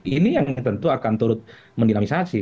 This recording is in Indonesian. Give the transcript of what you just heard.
ini yang tentu akan turut mendinamisasi